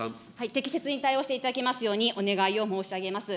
適切に対応していただきますようにお願いを申し上げます。